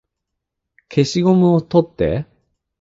消しゴム取って